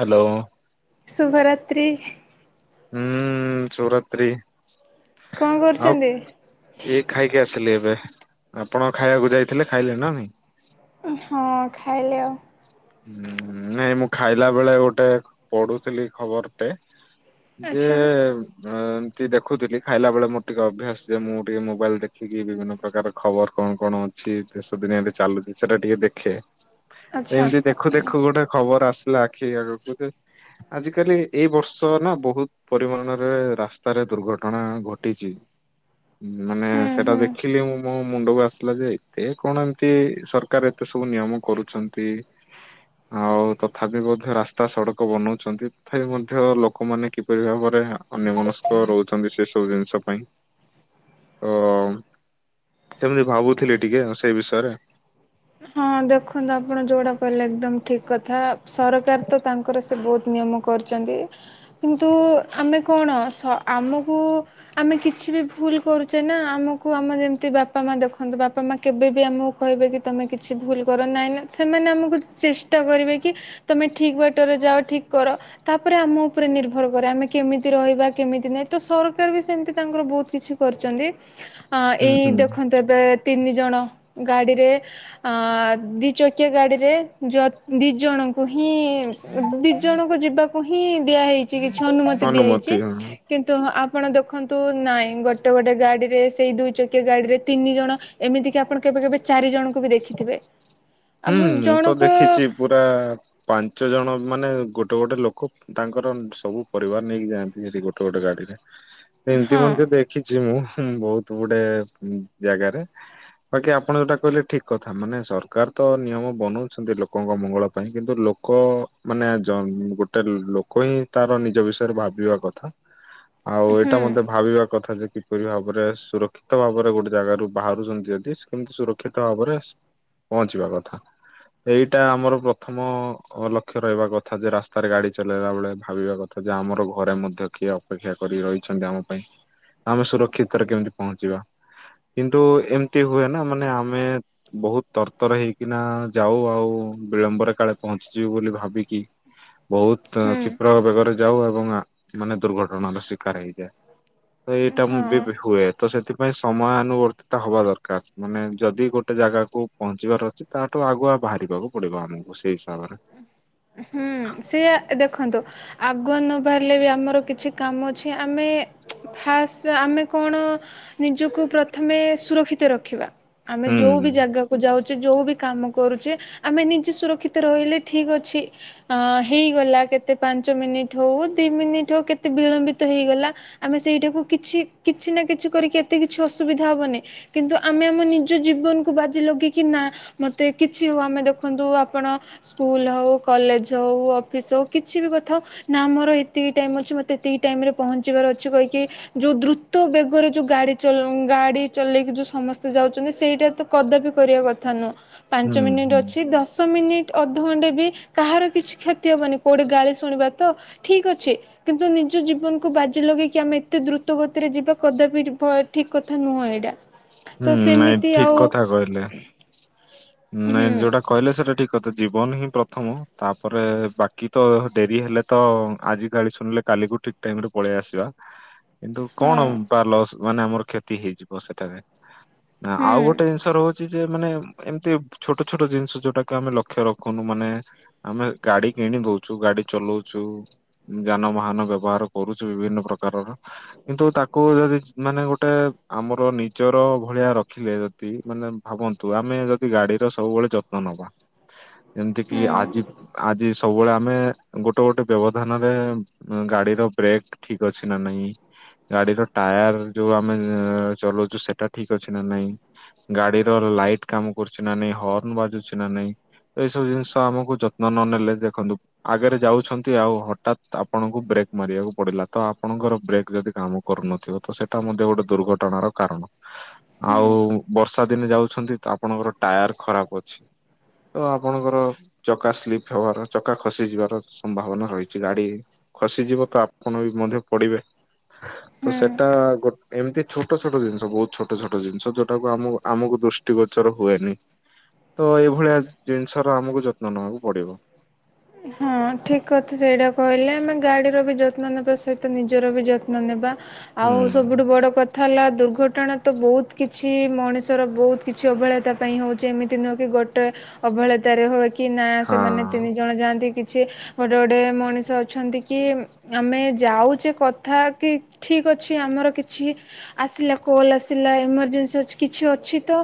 Hello ଶୁଭ ରାତ୍ରି। ହୁଁ ଶୁଭରାତ୍ରି। କଣ ଆଉ କରୁଛନ୍ତି? ଏ ଖାଇକି ଆସିଲି ଏବେ। ଆପଣ ଖାଇବାକୁ ଯାଇଥିଲେ ଖାଇଲେ ନା ନାଇ? ହଁ ଖାଇଲୁ। ହୁଁ ନାଇଁ ମୁଁ ଖାଇଲା ବେଳେ ଗୋଟେ ପଢୁଥିଲି ଖବରଟେ ଯେ ଆଚ୍ଛା ଅ ଟିକେ ଦେଖୁଥିଲି ଖାଇଲାବେଳେ ମୋର ଟିକେ ଅଭ୍ୟାସ ଯେ ମୁଁ ଟିକେ ମୋବାଇଲ୍ ଦେଖିକି ବିଭିନ୍ନ ପ୍ରକାର ଖବର କଣ କଣ କେମିତି ଦେଶ ଦୁନିଆ ଚାଲୁଛି ସେଟା ଟିକେ ଦେଖେ। ଆଚ୍ଛା। ଏମିତି ଦେଖୁ ଦେଖୁ ଗୋଟେ ଖବର ଆସିଲେ ଆଖି ଆଗକୁ ଆଜି କାଲି ଏଇ ବର୍ଷ ନା ବହୁତ ପରିମାଣରେ ରାସ୍ତାରେ ଦୁର୍ଘଟଣା ଘଟିଛି। ମାନେ ହୁଁ ସେଟା ହୁଁ। ଦେଖିଲି, ମୁଁ ମୋ ମୁଣ୍ଡକୁ ଆସିଲା ଯେ ଏତେ କଣ ଏମିତି ସରକାର ଏତେ ସବୁ ନିୟମ କରୁଛନ୍ତି। ଆଉ ତଥାପି ମଧ୍ୟ ରାସ୍ତା ସଡକ ବନଉଛନ୍ତି ତଥାପି ମଧ୍ୟ ଲୋକମାନେ କିପରି ଭାବରେ ଅନ୍ୟ ମନସ୍କ ରହୁଛନ୍ତି ସେ ସବୁ ଜିନିଷ ପାଇଁ। ତ ସେମିତି ଭାବୁଥିଲି ଟିକେ ସେଇ ବିଷୟରେ ହଁ ଦେଖନ୍ତୁ ଆପଣ ଯେଉଁଟା କହିଲେ, ଏକଦମ ଠିକ୍ କଥା। ସରକାର ତ ତାଙ୍କର ସେ ବହୁତ। ନିୟମ କରିଛନ୍ତି। କିନ୍ତୁ ଆମେ କଣ ସ ଆମକୁ ଆମେ କିଛି ବି ଭୁଲ କରୁଛେ ନା ଆମକୁ ଆମ ଯେମତି ବାପା। ଦେଖନ୍ତୁ ବାପା ମା କେବେ ବି ଆମକୁ କହିବେ କି ତମେ କି? କିଛି ଭୁଲ କର ନାହିଁ ନା ସେମାନେ ଆମକୁ ଚେଷ୍ଟା କରିବେ କି ତୁମେ ଠିକ୍ ବାଟରେ ଯାଅ ଠିକ୍ କର। ତାପରେ ଆମ ଉପରେ ନିର୍ଭର କରେ ଆମେ, କେମିତି ରହିବା କେମିତି ନାହିଁ ତ। ସରକାର ବି ସେମତି ତାଙ୍କର ବହୁତ କିଛି କିଛି କରୁଛନ୍ତି। ହୁଁ ଏଇ ହୁଁ ଦେଖନ୍ତୁ ଏବେ ତିନି ଜଣ ଗାଡିରେ। ଆ ଦି ଚକିଆ ଗାଡିରେ ଦି ଜଣଙ୍କୁ ହିଁ ଦି ଜଣଙ୍କ। ଯିବାକୁ ହିଁ ଦିଆଯାଇଛି। କିଛି ଅନୁମତି ଦିଆଯାଇଛି। କିନ୍ତୁ ଆପଣ ଦେଖନ୍ତୁ ନାଇଁ ଗୋଟେ, ଗୋଟେ ଗାଡି ରେ ସେଇ ଦୁଇ ଚକିଆ ଗାଡି ରେ ତିନି ଜଣ ଏମିତି କି ଆପଣ କେବେ। କେବେ କେବେ ଚାରି ଜଣଙ୍କୁ ବି ଦେଖିଥିବେ। ହୁଁ, ଆପଣ ମୁଁ ତ ଜଣକୁ ଦେଖିଛି ପୁରା ପାଞ୍ଚ ଜଣ ମାନେ ଗୋଟେ ଗୋଟେ ଲୋକ ତାଙ୍କର ସବୁ ପରିବାର ନେଇକି ଯାଆନ୍ତି। ସେଠି ଗୋଟେ, ଗୋଟେ ଗାଡିରେ। ଏମିତି ହଁ ମଧ୍ୟ ଦେଖିଛି ମୁଁ। ହଁ, ବହୁତ ଗୁଡେ ଜାଗାରେ ବାକି ଆପଣ ଯୋଉଟା କହିଲେ, ଠିକ କଥା ମାନେ ସରକାର ତ ନିୟମ ବନଉଛନ୍ତି ଲୋକଙ୍କ ମଙ୍ଗଳ ପାଇଁ କିନ୍ତୁ ଲୋକ ମାନେ ଜ ଗୋଟେ ଲୋକ ହିଁ ତାର ନିଜ ବିଷୟରେ ଭାବିବା କଥା ଆଉ ହୁଁ ଏଇଟା ମଧ୍ୟ ଭାବିବା କଥା। କଥା ଯେ କିପରି ଭାବରେ ସୁରକ୍ଷିତ ଭାବରେ ଗୋଟେ ଜାଗାାରୁ ବାହାରୁଛନ୍ତି। ଯଦି କେମିତି ସୁରକ୍ଷିତ ଭାବରେ ଆସିବ। ପହଞ୍ଚିବା କଥା। ଏଇଟା ଆମର ପ୍ରଥମ ଲକ୍ଷ୍ୟ ରହିବା କଥା ଯେ ରାସ୍ତାରେ ଗାଡି ଚଲେଇଲା ବେଳେ ଭାବିବା କଥା। ଯା ଆମର ଘରେ ମଧ୍ୟ କିଏ ଅପେକ୍ଷା କରି ରହିଛନ୍ତି ଆମ ପାଇଁ। ଆମେ ସୁରକ୍ଷିତ ରେ କେମିତି ପହଞ୍ଚିବା। କିନ୍ତୁ ଏମତି ହୁଏ ନା ମାନେ ଆମେ ବହୁତ ତରତର ତରତର ହେଇକିନା ଯାଉ ଆଉ ବିଳମ୍ବରେ କାଳେ ପହଞ୍ଚିଯିବୁ ବୋଲି ଭାବିକି? ବହୁତ ହୁଁ କ୍ଷୀପ୍ର ବେଗରେ ଯାଉ ଏବଂ ମାନେ ଦୁର୍ଘଟଣାର ଶିକାର ହେଇଏ। ତ ଏଇଟା ମୁଁ ବି ହଁ ହୁଏ ତ ସେଥିପାଇଁ ସମୟାନୁବର୍ତ୍ତିତ ହବା ଦରକାର ମାନେ ଯଦି ଗୋଟେ ଜାଗାକୁ ପହଞ୍ଚିବାର ଅଛି ତାଠୁ ଆଗୁଆ ବାହାରିବାକୁ ପଡିବ ଆମକୁ ସେଇ ହିସାବରେ। ହୁଁ ସିଏ ଦେଖନ୍ତୁ ଆଗୁଆ ନ ବାହାରିଲେ ବି ଆମର କିଛି କାମ ଅଛି ଆମେ ଖାସ୍ ଆମ କଣ ନିଜକୁ ପ୍ରଥମେ ସୁରକ୍ଷିତ ରଖିବା। ଆମେ ହୁଁ ଯୋଉ ବି ଜାଗାକୁ ଯାଉଛେ ଯୋଉ ବି କାମ କରୁଛେ ଆମେ ନିଜେ ସୁରକ୍ଷିତ ରହିଲେ ଠିକ କିଛି ହେଇଗଲା କେତେ ପାଞ୍ଚ ମିନିଟ ହଉ ଦି ମିନିଟ ହଉ କେତେ ବିଳମ୍ବିତ ହେଇଗଲା। ଆମେ ସେଇଟାକୁ କିଛି କିଛି ନା କିଛି କରିକି ଏତେ କିଛି ଅସୁବିଧା ହବନି କିନ୍ତୁ ଆମେ ଆମ ନିଜର ନିଜ ଜୀବନକୁ ବାଜି ଲଗେଇକି ନା ମତେ କିଛି ହଉ ଆମେ ଦେଖନ୍ତୁ ଆପଣ ସ୍କୁଲ ହଉ। କଲେଜ ହଉ ଅଫିସ ହଉ କିଛି ବି କଥା ହଉ ନା ମୋର ଏତିକି ଟାଇମ ଅଛି। ମତେ ଏତିକି ଟାଇମ ରେ ପହଞ୍ଚିବାକୁ କିଛି କହିକି ଯୋଉ ଦ୍ରୁତ ବେଗରେ ଯୋଉ ଗାଡି ଗାଡି ଚଲେଇକି ଯୋଉ ସମସ୍ତେ ଯାଉଛନ୍ତି। ସେଇଟା ତ କଦାପି କରିବା କଥା ନୁହଁ ପାଞ୍ଚ ହୁଁ ମିନିଟ ହୁଁ ଅଛି ଦଶ ମିନିଟ ଅଧଘଣ୍ଟା ବି କାହାର କିଛି କ୍ଷତି ହବନି କୋଉଠି ଗାଳି ଶୁଣିବା ତ ଠିକ୍ ଅଛି କିନ୍ତୁ ନିଜ ଜୀବନକୁ ବାଜିଲଗେଇ ଆମେ ଏତେ ଦ୍ରୁତ ଗତିରେ ଯିବା କଦାପି ଠିକ କଥା ନୁହଁ ଏଇଟା। ତ ହୁଁ ନାଇଁ ସେମିତି ଠିକ ଆଉ କଥା କହିଲେ ହୁଁ ନାଇଁ ଯୋଉଟା କହିଲେ ସେଟା ଠିକ କଥା ଜୀବନ ହିଁ ପ୍ରଥମ ତାପରେ ବାକି ତ ଡେରି ହେଲେ ତ ଆଜି ଗଲି ଶୁଣିଲେ କାଲି ଠିକ ଟାଇମ ରେ ପଳେଇ ଆସିବା। କିନ୍ତୁ କଣ ହଁ। ବା ଲସ ମାନେ ଆମର କ୍ଷତି ହେଇଯିବ ସେଠାରେ। ନା ହୁଁ ଆଉ ଗୋଟେ ଜିନିଷ ରହୁଛି ଯେ ମାନେ ଏମିତି ଛୋଟ ଛୋଟ ଜିନିଷ ଯୋଉଟା କୁ ଆମେ ଲକ୍ଷ୍ୟ ରଖ ରଖନୁ ମାନେ ଆମେ ଗାଡି କିଣି ଦଉଛୁ ଗାଡି ଚଲଉଛୁ ଯାନବାହାନ ବ୍ୟବ ବ୍ୟହାର କରୁଛୁ ବିଭିନ୍ନ ପ୍ରକାରର କିନ୍ତୁ ତାକୁ ଯଦି ମାନେ ଗୋଟେ ଆମର ନି ନିଚର ଭଳିଆ ରଖିଲେ ଯଦି ମାନେ ଭାବନ୍ତୁ ଆମେ ଯଦି ଗାଡିର ସବୁବେଳେ ଯତ୍ନ ନବା। ଏମତି କି ହୁଁ ଆଜି ଆଜି ସବୁବେଳେ ଆମେ ଗୋଟେ ଗୋଟେ ବ୍ୟବଧାନରେ ଗାଡିର ବ୍ରେକ୍ ଠିକ୍ ଅଛି ନା ନାହିଁ। ଗାଡିର ଟାୟାର ଯୋଉ ଆମେ ଚଲଉଛୁ। ସେଟା ଠିକ ଅଛି ନା ନାଇଁ ଗାଡିର ଲାଇଟ କାମ କରୁଛି ନା ନାଇଁ ହର୍ଣ୍ଣ ବାଜୁଛି ନା ନାଇଁ। ଏଇସବୁ ଜିନିଷ ଆମକୁ ଯତ୍ନ ନ ନେଲେ ଦେଖନ୍ତୁ ଆଗରେ ଯାଉଛନ୍ତି ଆଉ ହଠାତ୍ ଆପଣଙ୍କୁ ବେକ୍ ବେ ମାରିବାକୁ ପଡିଲା ତ ଆପଣଙ୍କର ବ୍ରେକ୍ ଯଦି କାମ କରୁନଥିବ ତ ସେଟା ମଧ୍ୟ ଗୋଟେ ଦୁର୍ଘଟଣାର କାରଣ। ହୁଁ ଆଉ ବର୍ଷା ଦିନେ ଯାଉଛନ୍ତି ତ ଆପଣଙ୍କର ଟାୟାର ଖରାପ ଅଛି। ତ ଆପଣଙ୍କର ଚକା ସ୍ଲିପ୍ ହେବାର ଚକା ଖସିଯିବାର ସମ୍ଭାବନା ରହିଛି ଗାଡି ଖସିଯିବ ତ ଆପଣ ବି ମଧ୍ୟ ପଡିବେ। ତ ହୁଁ। ସେଟା ଗୋଟେ ଏମିତି ଛୋଟ ଛୋଟ ଜିନିଷ ବହୁତ ଛୋଟ ଛୋଟ ଜିନିଷ ଯୋଉଟାକୁ ଆମ ଆମକୁ ଦୃଷ୍ଟି ଗୋଚର ହୁଏନି। ତ ଏଇଭଳିଆ ଜିନିଷର ଆମକୁ ଯତ୍ନ ନବାକୁ ପଡିବ। ହଁ ଠିକ୍ କଥା ସେଇଟା କହିଲେ ଆମେ ଗାଡ଼ିର ବି ଯତ୍ନ ନେବା ସହିତ ନିଜର ବି ଯତ୍ନ ନେବା। ଆଉ ହୁଁ ସବୁଠୁ ବଡ କଥା ହେଲା? ଦୁର୍ଘଟଣା ତ ବହୁତ କିଛି ମଣିଷର ବହୁତ କିଛି ଅବହେଳିତା ପାଇଁ ହେଉଛି ଏମିତି ନୁହେଁ କି ଗୋଟାଏ। ଅବହେଳିତାରେ ହୁଏ କି ନା ହଁ ସେମାନେ ତିନି ଜଣ ଯାଆନ୍ତି କି ଗୋଟେ ଗୋଟେ ମଣିଷ ଅଛନ୍ତି କି ଆମେ ଯାଉଛେ କଥା କି ଠିକ ଅଛି ଆମର କିଛି ଆସିଲା କଲ୍ ଆସିଲା ଏମର୍ଜେନ୍ସି ଅଛି କିଛି ଅଛି ତ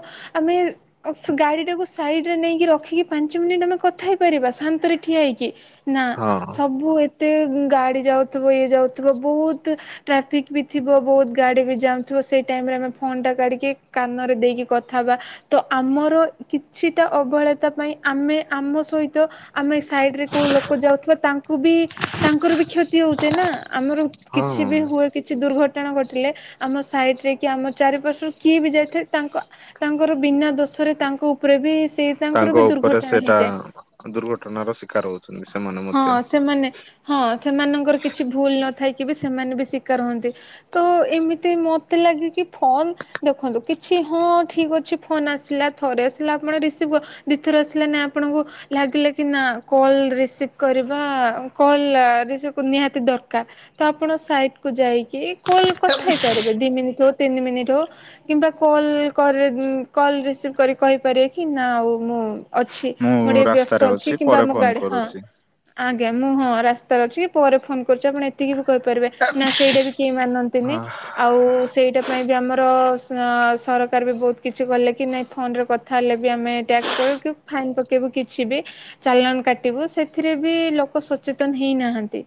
ଗାଡିଟାକୁ ସାଇଡରେ ନେଇକି ରଖିକି ପାଞ୍ଚ ମିନିଟ ଆମେ କଥା ହେଇପାରିବା ଶାନ୍ତରେ ଠିଆ ହେଇକି। ନା ହଁ ସବୁ ଏ ଏତେ ଗାଡି ଯାଉଥିବ ଇଏ ଯାଉଥିବ ବହୁତ ଟ୍ରାଫିକ ବି ଥିବ ବହୁତ ଗାଡି ବି ଯାଉଥିବ। ସେ ଟାଇମ ରେ ଆମେ ଫୋନ୍ ଟା କାଡିକି କାନରେ ଦେଇକି କଥା ହେବା ତ ଆମର କିଛିଟା ଅ ଅବହେଲିତା ପାଇଁ ଆମେ ଆମ ସହିତ ଆମେ ସାଇଡ଼ରେ କଉଲୋକ ଯାଉଥିବ ତାଙ୍କୁ ବି ତାଙ୍କର ବି କ୍ଷତି ହଉଛି ନା ଆମର କିଛି ହଁ ବି ହୁଏ କିଛି ଦୁର୍ଘଟଣା ଆମ ସାଇଟରେ କି ଆମ ଚାରିପାର୍ଶ୍ୱରୁ କିଏ ବି ଯାଇଥାଏ ତାଙ୍କ ତାଙ୍କର ବିନା ଦୋଷ ଶେଷରେ ତାଙ୍କ ଉପରେ ବି ସେଇ ତାଙ୍କର ତାଙ୍କ ବି ଉପରେ ଦୁର୍ଘଟଣା ସେଟା ହେଇଯାଏ। ଦୁର୍ଘଟଣାର ଶିକାର ହଉଛି। ହଁ ସେମାନେ ହଁ ସେମାନଙ୍କର କିଛି ଭୁଲ ନ ଥାଇକି ବି ସେ ସେମାନେ ବି ଶୀକାର ହୁଅନ୍ତି ତ ଏମିତି ମତେ ଲାଗେ ଫୋନ ଦେଖନ୍ତୁ କିଛି ହଁ ହଁ ଠିକ୍ ଅଛି ଫୋନ ଆସିଲା ଥରେ ଆସିଲା ଆପଣ ରିସିଭ୍ ଦୁଇଥର ଆସିଲା ନାହିଁ ଆପଣଙ୍କୁ ଲାଗିଲା କି ନା କଲ୍ ରିସିଭ୍ କରିବା କଲ୍ ରିସିଭ୍ ନିହାତି ଦରକାର ତ ଆପଣ ସାଇଟକୁ ଯାଇକି କଲ୍ କଥା ହୋଇପାରିବେ ଦି ମିନିଟ ହଉ ତିନି ମିନିଟ ହଉ କିମ୍ବା କଲ୍ କରେ କଲ ରିସିଭ୍ କରି କହିପାରିବେ କି ନା ଆଉ ମୁଁ ଅଛି ମୁଁ ଟିକେ ବ୍ୟସ୍ତ ରାସ୍ତାରେ ଅଛି କିମ୍ବା ପରେ ଫୋନ ଗାଡି ହଁ। କରୁଛି। ଆଜ୍ଞା ମୁଁ ହଁ ରାସ୍ତାରେ ଅଛି କି ପରେ ଫୋନ କରୁଛି ଆପଣ ଏତିକି ବି କହିପାରିବେ ନା ସେଇଟା ବି କି ମାନନ୍ତିନି ହଁ। ଆଉ ସେଇଟା ପାଇଁ ବି ଆମର ସରକାର ବି ବହୁତ କିଛି କଲେ କି ନାଇଁ ଫୋନରେ କଥା ହେଲେ ବି ଆମେ ଟାକ୍ ଫାଇନ ପକେଇବୁ କିଛି ବି ଚାଲାନ କାଟିବୁ ସେଥିରେ ବି ଲୋକ ସଚେତନ ହେଇନାହାନ୍ତି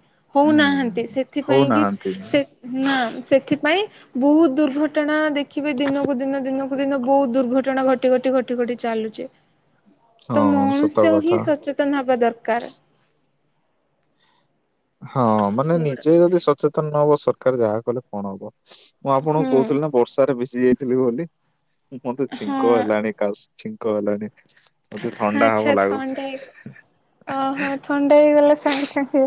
ହୁଁ ହଉନାହାନ୍ତି ସେ ସେଥିପାଇଁକି ହଉନାହାନ୍ତି ସେ ନା ସେଥିପାଇଁ ବହୁତ ଦୁର୍ଘଟଣା ଦେଖିବେ ଦିନକୁ ଦିନ ଦିନକୁ ଦିନ ବହୁତ ଦୁର୍ଘଟଣା ଘଟି ଘଟି ଘଟି ଘଟି ଚାଲୁଚି ତ ହଁ ସତ ମନୁଷ ହିଁ କଥା। ସଚେତ ହବା ଦରକାର ହଁ ମାନେ ନିଜେ ଯଦି ସଚେତନ ନ ହବ ସରକାର ଯାହା କଲେ କଣ ହବ? ମୁଁ ଆପଣଙ୍କୁ ହୁଁ। କହୁଥିଲି ନା ବର୍ଷାରେ ଭିଜି ଯାଇଥିଲି ବୋଲି ମତେ ଛିଙ୍କ ହଁ ହେଲାଣି କାଶ ଛିଙ୍କ ହେଲାଣି। ମତେ ଥଣ୍ଡା ହବ ଆଚ୍ଛା ଲାଗୁଛି ଥଣ୍ଡା ହେଇଗଲା ଓହୋ ଥଣ୍ଡା ହେଇଗଲା ସାଙ୍ଗେ ସାଙ୍ଗେ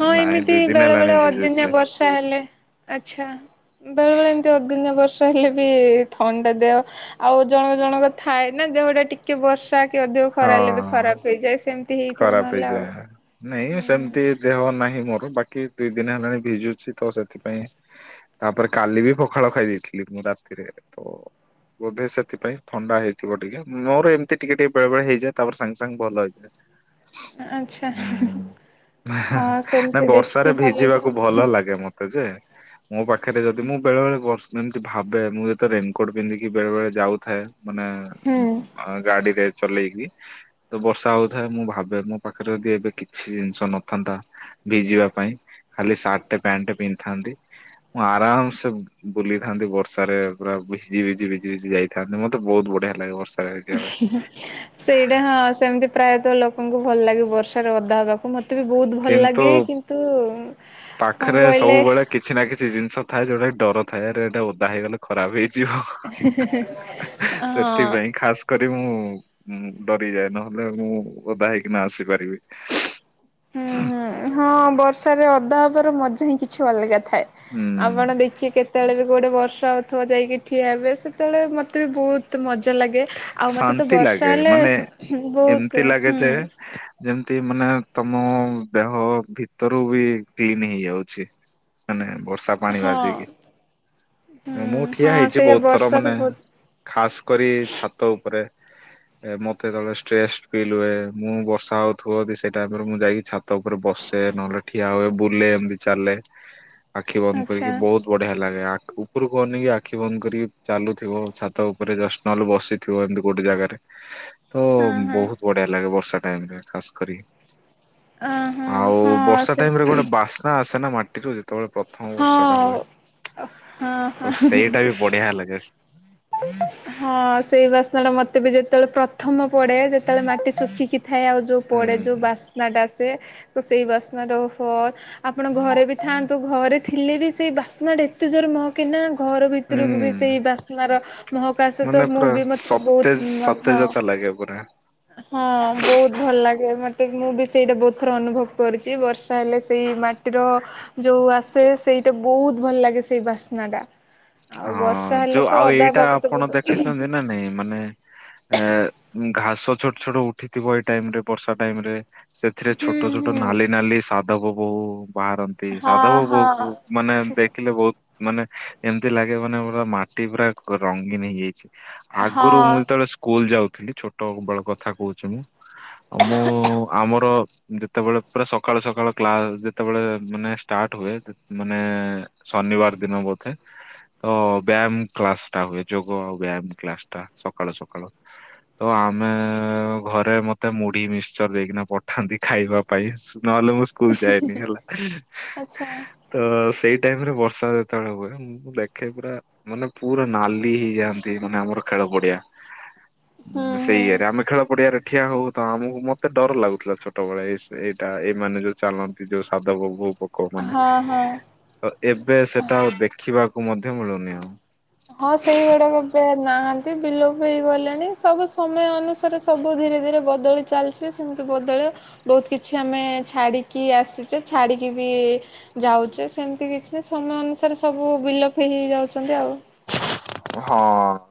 ହଁ ନାଇଁ ଏମିତି ଦୁଇ ଦିନ ବେଳେ ହେଲାଣି ବେଳେ ଅଦିନିଆ ଭିଜୁଛି ବର୍ଷା ହେଲେ ଆଛା। ବେଳେବେଳେ ଏମିତି ଅଦିିନିଆ ବର୍ଷା ବର୍ଷା ହେଲେ ବି ଥଣ୍ଡା ଟା ଦେହ ଆଉ ଜଣ ଜଣଙ୍କ ଥାଏ ନା ଦେହଟା ଟିକେ ବର୍ଷା ଅଧିକ ହଁ। ଖରା ହେଲେ ବି ଖରାପ ହେଇଯାଏ ସେମିତି ହେଇଥିବ ଖରାପ ନହେଲେ ଆଉ। ହେଇଯାଏ ନାଇଁ ସେମିତି ହୁଁ ଦେହ ନାହିଁ ମୋ ବାକି ଦୁଇ ଦିନ ହେଲାଣି ଭିଜୁଛି ତ ସେଥିପାଇଁ ତାପରେ କାଲି ବି ପଖାଳ ଖାଇ ଦେଇଥିଲି ରାତିରେ ତ ବୋଧେ ସେଥିପାଇଁ ଥଣ୍ଡା ହେଇଥିବ ଟିକେ ମୋର ଏମିତି ଟିକେ ଟିକେ ବେଳେ ବେଳେ ହେଇଯାଏ ତାପରେ ସାଙ୍ଗେ ସାଙ୍ଗେ ଭଲ ହେଇଯାଏ। ଆଚ୍ଛା। ହୁଁ। ହଁ ନା ସେମିତି ବର୍ଷାରେ ଦେଖିକି ଭଲ ଭିଜିବାକୁ ହେଇଯାଉ ଭଲ ଲାଗେ ମତେ ଯେ ମୋ ପାଖରେ ଯଦି ମୁଁ ବେଳେ ବଳେ ଏମିତି ଭାବେ ମୁଁ ଯେତେ ରେନକୋଟ୍ ପିନ୍ଧିକି ବେଳେବେଳେ ଯାଉଥାଏ ମାନେ ହୁଁ। ଗାଡିରେ ଚଲେଇକି ତ ବର୍ଷା ହଉଛି ମୁଁ ଭାବେ ମୋ ପାଖରେ ଯଦି ଏବେ କିଛି ଜିନିଷ ନଥାନ୍ତା ଭିଜିବା ପାଇଁ ଖାଲି ଗୋଟେ ପ୍ୟାଣ୍ଟ ପିନ୍ଧିଥାନ୍ତି ମୁଁ ଆରାମସେ ବୁଲିଥାନ୍ତି ବର୍ଷାରେ ପୁରା ଭିଜି ଭିଜି ଭିଜି ଭିଜି ଯାଇଥାନ୍ତି ମତେ ବହୁତ ବଢିଆ ଲାଗେ ବର୍ଷା ସେଇଟା ହଁ ସେମିତି ପ୍ରାୟତଃ ଲୋକଙ୍କୁ ଭଲ ଲାଗେ ବର୍ଷାରେ ଓଦା ହବାକୁ ମୋତେ ବି ବହୁତ ଭଲ ଲାଗେ କିନ୍ତୁ କିନ୍ତୁ କଣ ପାଖରେ କହିଲେ ସବୁବେଳେ କିଛି ନା କିଛି ଜିନିଷ ଥାଏ ଯଉଟା କି ଡର ଥାଏରେ ଏଇଟା ଓଦା ହେଇଗଲେ ଖରାପ ହେଇଯିବ। ହଁ ସେଥିପାଇଁ ଖାସ କରି ମୁଁ ଉଁ ଡରିଯାଏ ନହେଲେ ମୁଁ ଓଦା ହେଇକିନା ଆସି ପାରିବି। ହୁଁ ହୁଁ ହଁ ବର୍ଷାରେ ଓଦା ହବାର ମଜା ହିଁ କିଛି ଅଲଗା ଥାଏ ହୁଁ ଆପଣ ଦେଖି କେତେ ସେତେବେଳେ ବି ଗୋଟେ ବର୍ଷାହେଉଥିବ ଯାଇକି ଠିଆ ହେବେ ସେତେବେଳେ ମତେ ବି ବହୁତ ମଜା ମଜା ଲାଗେ ଆଉ ମତେ ତ ଶାନ୍ତି ବର୍ଷା ଲାଗେ ହେଲେ ମାନେ ଏମିତି ବହୁତ ଲାଗେ ହୁଁ। ଯେ ଯେମିତି ମାନେ ତମ ଦେହ ଭିତରୁ ବି କ୍ଲିନ ହେଇଯାଉଛି। ମାନେ ବର୍ଷା ପାଣି ହଁ ବାଜିକି। ହୁଁ ମୁଁ ଠିଆ ହଁ ହେଇଛି ସେଇ ବହୁତ ଥର ବର୍ଷାରେ ମାନେ ବହୁତ ଖାସ କରି ଛାତ ଉପରେ। ମତେ ତଳେ ଷ୍ଟ୍ରେସ ଫିଲ୍ ହୁଏ ମୁଁ ବର୍ଷା ହଉଥିବ ସେ ଟାଇମରେ ମୁଁ ଯାଇକି ଛାତ ଉପରେ ବ ବସେ ନହେଲେ ଠିଆ ହୁଏ ବୁଲେ ଏମିତି ଚାଲେ ଆଖି ବନ୍ଦ ଆଚ୍ଛା କରିକି ବହୁତ ବଢିଆ ଲାଗେ ଆ ଉପରକୁ ଅନେଇକି ଆଖି ବନ୍ଦ କରିକି ଚାଲୁଥିବ ଛାତ ଉପରେ ଜଷ୍ଟ ନହେଲେ ବସ ବସିଥିବ ଏମିତି ଗୋଟେ ଜାଗାରେ ତ ହଁ ହଁ ବହୁତ ବଢିଆ ଲାଗେ ବର୍ଷା। [unintelligible] ଖାସ୍ କରି ଅ ହଁ ଆଉ ହଁ ବର୍ଷା ସେ ଟାଇମ ରେ ଗୋଟେ ବାସ୍ନା ଆସେ ନା ମାଟି ହଁ ହଁ ତ ହଁ ସେଇଟା ହା। ବି ବଢିଆ ଲାଗେ ହଁ ସେଇ ବାସ୍ନା ଟା ମତେ ବି ଯେତେବେଳେ ପ୍ରଥମ ପଡେ ଯେତେବେଳେ ମାଟି ଶୁଖିକି ଥାଏ ଆଉ ଯୋଉ ପଡେ ଯୋଉ ହୁଁ ବାସ୍ନାଟା ସେ ସେଇ ବାସ୍ନାଟା ଓହୋ ଆପଣ ଘରେ ବି ଥାଆନ୍ତୁ ଘରେ ଥିଲେ ବି ସେଇ ବାସ୍ନାଟା ଏତେ ଜୋର କହ କି ନା ଘର ଭିତରକୁ ବି ହୁଁ ସେଇ ବାସ ମାର ମହକାଶ ତ ମାନେ ମୁଁ ପୁରା ବି ମତେ ସତେଜ ବହୁତ ହଁ ସତେଜତା ଲାଗେ ପୁରା ହଁ ବହୁତ ଭଲ ଲାଗେ ମତେ ମୁଁ ବି ସେଇଟା ବହୁତ ଥର ଅନୁଭବ କରୁଛି ବର୍ଷା ହେଲେ ସେଇ ମାଟି ମାଟିର ଯୋଉ ଆସେ ସେଇଟା ବହୁତ ଭଲ ଲାଗେ ସେଇ ବାସ୍ନା ଟା ଆଉ ହଁ ବର୍ଷା ହେଲେ ଯୋଉ ତ ଆଉ ଅଧା ଏଇଟା ପାଗ ତ ଆପଣ ବହୁତ ଦେଖିଛନ୍ତି ନା ନାଇଁ ମାନେ ଏ ଘାସ ଛୋଟ ଛୋଟ ଉଠିଥିବ ଏଇ ଟାଇମ ରେ ବର୍ଷା ଟାଇମ ରେ ସେଥିରେ ଛୋଟ ହୁଁ ଛୋଟ ହୁଁ ନାଲି ନାଲି ସାଧବ ବୋହୁ ବାହାରନ୍ତି ହଁ ସାଧବ ହଁ ବୋହୂ ମାନେ ଦେଖିଲେ ବହୁତ ମାନେ ଏମତି ଲାଗେ ମାନେ ଆମର ମାଟି ପୁରା ରଙ୍ଗୀନ ହେଇଯାଇଛି ଆଗରୁ ହଁ ମୁଁ ଯେତେବେଳେ ସ୍କୁଲ ଯାଉ ଥିଲି ଛୋଟ ବେଳ କଥା କହୁଛି ମୁଁ ମୁଁ ଆମର ଯେତେବେଳେ ପୁରା ସକାଳୁ ସକାଳ କ୍ଲାସ ଯେତେବେଳେ ମାନେ ଷ୍ଟାର୍ଟ ହୁଏ ମାନେ ଶନିବାର ଦିନ ବୋଧେ ହ [inaudible] ତ ବ୍ୟାୟାମ କ୍ଲାସ ଟା ହୁଏ ଯୋଗ ବ୍ୟାୟାମ କ୍ଳାସ ଟା ସକାଳୁ ସକାଳୁ ତ ଆମେ ଘରେ ମତେମୁଢ଼ି ମିକ୍ସଚର ଦେଇକିନା ପଠାନ୍ତି ଖାଇବା ପାଇଁ ନହେଲେ ମୁଁ ସ୍କୁଲ ଯାଏନି ହେଲା ଆଚ୍ଛା ତ ସେଇ ଟାଇମରେ ବଷ ବର୍ଷା ଯେତେବେଳ ହୁଏ। ମୁଁ ଦେଖେ ପୁରା ମାନେ ପୁରା ନାଲି ହେଇଯାଆନ୍ତି ମାନେ ଆମର ଖେଳ ପଡିଆ। ହୁଁ ସେଇଆରେ ଆମେ ଖେଳ ପଡ଼ିଆରେ ଠିଆ ହଉ ତ ଆମକୁ ମତେ ଡ଼ର ଲାଗୁଥିଲା ଛୋଟବେଳେ ଏ ଏଇଟା ଏମାନେ ଯୋଉ ଚାଲନ୍ତି ଯୋଉ ସାଧବ ବୋହୂ ପୋକ ମାନେ ହଁ ହଁ। ତ ଏବେ ସେଟା ଦେଖିବାକୁ ମଧ୍ୟ ମିଳୁନି ଆଉ ହଁ ସେଇଗୁଡ଼ାକ ବି ନାହାନ୍ତି ବିଲୋପ ହେଇଗଲେଣି ସବୁ ସମୟ ଅନୁସାରେ ସବୁ ଧୀରେ ଧୀରେ ବଦଳି ଚାଲିଛି ସେମତି ମିତି ବଦଳେ ବହୁତ କିଛି ଆମେ ଛାଡ଼ିକି ଆସିଛେ ଛାଡ଼ିକି ବି ଯାଉଛେ। ସେମିତି କିଛି ସମୟ ଅନୁସାରେ ସବୁ ବିଲୋପ ହେଇ ଯାଉଛନ୍ତି ଆଉ ହଁ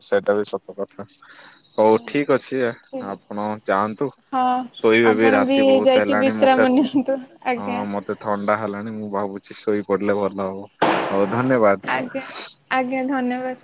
ସେଇଟା ବି ସତ କଥା। ହଉ ଠିକ ଅଛି ଠିକ୍ ଅଛି ଆପଣ ଯାଆନ୍ତୁ। ହଁ ଶୋଇବେ ବି ଆପଣ ରାତି ବହୁତ ଯାଇକି ହେଲାଣି ବିଶ୍ରାମ ମତେ ନିଅନ୍ତୁ ଆଜ୍ଞା। ହଁ ମତେ ଥଣ୍ଡା ହେଲାଣି ମୁଁ ଭାବୁଛି ଶୋଇ ପଡ଼ିଲେ ମ ହଉ ହଉ ଧନ୍ୟବାଦ। ଆଜ୍ଞା ଆଜ୍ଞା ଧନ୍ୟବାଦ।